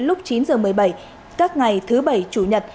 lúc chín h một mươi bảy các ngày thứ bảy chủ nhật